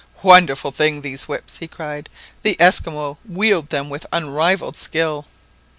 "Wonderful things these whips!" he cried; "the Esquimaux wield them with unrivalled skill